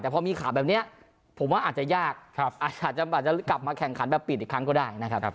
แต่พอมีข่าวแบบนี้ผมว่าอาจจะยากอาจจะกลับมาแข่งขันแบบปิดอีกครั้งก็ได้นะครับ